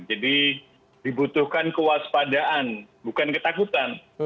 jadi dibutuhkan kewaspadaan bukan ketakutan